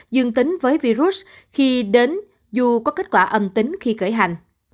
dương tính với virus khi đến dù có kết quả âm tính khi khởi hành